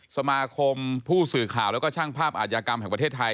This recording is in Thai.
สมาคมผู้สื่อข่าวแล้วก็ช่างภาพอาชญากรรมแห่งประเทศไทย